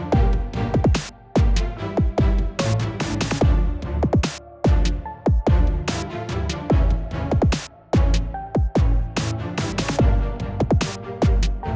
seiya sekataku gitu anak slide kalau main